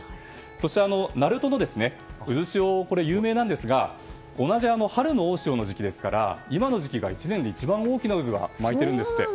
そして鳴門の渦潮有名なんですが同じく春の大潮の時期ですから今の時期が１年で一番大きな渦が巻いているんですって。